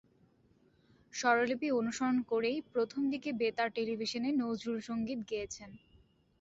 স্বরলিপি অনুসরণ করেই প্রথম দিকে বেতার-টেলিভিশনে নজরুল-সঙ্গীত গেয়েছেন।